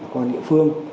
công an địa phương